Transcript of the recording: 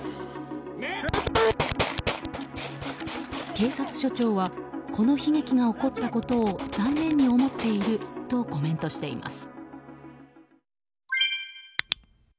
警察署長はこの悲劇が起こったことを残念に思っているとコメントしています。